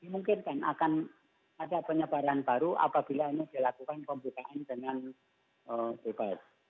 mungkin akan ada penyebaran baru apabila ini dilakukan pembutaian dengan baik baik